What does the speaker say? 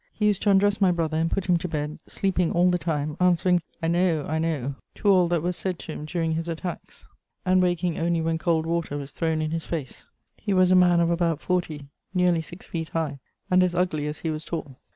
He used to undress my brother and put him to bed, sleeping all the time, answering, "I know, I know," to all that was said to him during his attacks, and waking only when cold water was thrown in his face: he was a man of about forty, nearly six feet high, and as ugly as he was tall.